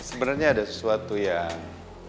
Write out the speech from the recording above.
sebenarnya ada sesuatu yang